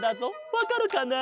わかるかな？